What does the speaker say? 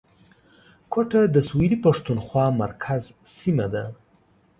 کوټه د سویلي پښتونخوا مرکز سیمه ده